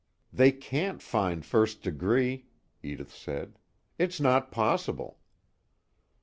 "They can't find first degree," Edith said. "It's not possible."